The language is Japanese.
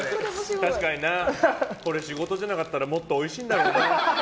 確かにな。これ仕事じゃなかったらもっとうまいんだろうな。